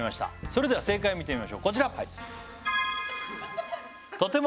それでは正解を見てみましょうこちら！